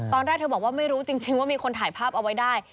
ตอนแรกเธอบอกว่าไม่รู้จริงว่ามีคนถ่ายภาพเอาไว้ได้